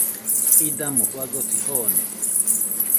Idamo fagosi joonete.